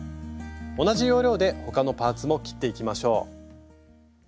同じ要領で他のパーツも切っていきましょう。